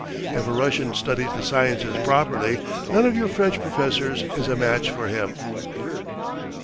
If a Russian studies the sciences properly, none of your French professors is a match for him."